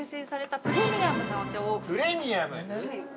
◆プレミアム！